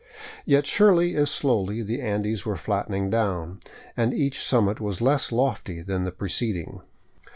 Yet surely, if slowly, the Andes were flattening down, and each sum mit was less lofty than the preceding.